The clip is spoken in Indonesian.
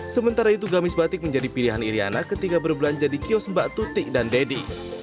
sementara itu gamis batik menjadi pilihan iryana ketika berbelanja di kios mbak tutik dan deddy